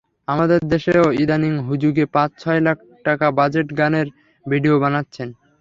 আমাদের দেশেও ইদানীং হুজুগে পাঁচ-ছয় লাখ টাকা বাজেটে গানের ভিডিও বানাচ্ছেন।